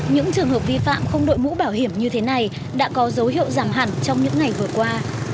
những trường hợp vi phạm không đội mũ bảo hiểm như thế này đã có dấu hiệu giảm hẳn trong những ngày vừa qua